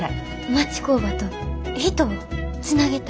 町工場と人をつなげたい。